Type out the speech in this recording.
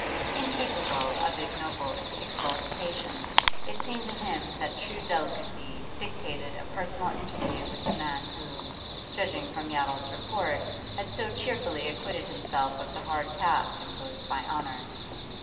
Incapable of ignoble exultation, it seemed to him that true delicacy dictated a personal interview with the man who, judging from Yottle's report, had so cheerfully acquitted himself of the hard task imposed by honour.